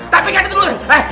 tapi kan itu dulu